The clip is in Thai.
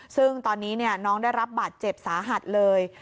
ซึ่งตอนนี้น้องได้รับบาดเจ็บสาหัสเลย